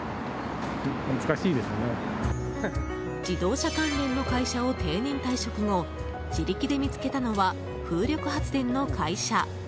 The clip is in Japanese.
自動車関連の会社を定年退職後自力で見つけたのは風力発電の会社。